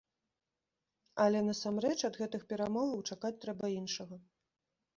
Але, насамрэч, ад гэтых перамоваў чакаць трэба іншага.